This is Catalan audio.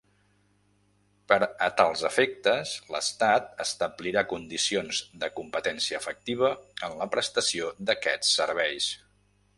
Per a tals efectes, l'Estat establirà condicions de competència efectiva en la prestació d'aquests serveis.